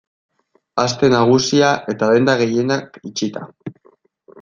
Aste Nagusia eta denda gehienak itxita.